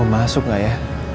mau masuk gak ya